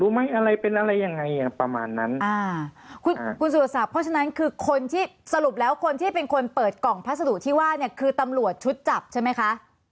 คุณสูตรศัพท์เพราะฉะนั้นคือคนที่สรุปแล้วคนที่เป็นคนเปิดกล่องพัสดุที่ว่าเนี่ยคือตำรวจชุดจับใช่ไหมคะ